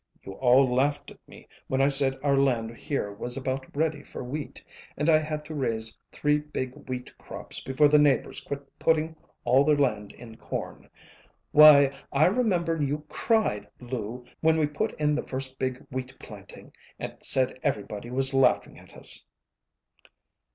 You all laughed at me when I said our land here was about ready for wheat, and I had to raise three big wheat crops before the neighbors quit putting all their land in corn. Why, I remember you cried, Lou, when we put in the first big wheat planting, and said everybody was laughing at us."